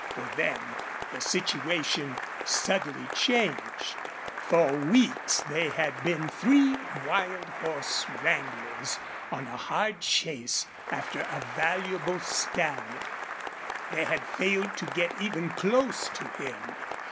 For them the situation subtly changed. For weeks they had been three wild horse wranglers on a hard chase after a valuable stallion. They had failed to get even close to him.